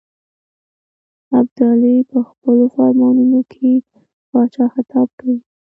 ابدالي په خپلو فرمانونو کې پاچا خطاب کوي.